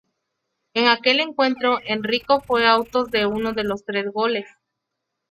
En aquel encuentro Enrico fue autos de uno de los tres goles.